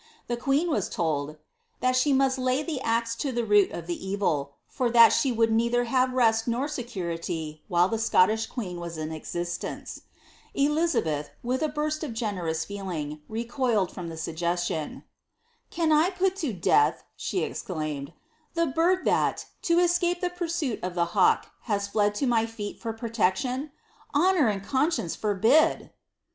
The queen was tohl, ^ that »he must lay the axe to the root of the evil, for that she would neither hare rest nor security while the Scottish queen was in existence.^' Eliza beth, with a burst of generous feeling, recoiled from the suggestion. ''Can I put to death,'' she exclaimed, ^^ the bird that, to escape the pur suit of the hawk, has fled to my feet for protection ? Honour and con icience forbid